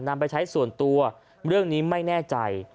นำไปใช้ส่วนตัวเรื่องนี้ไม่แน่ใจ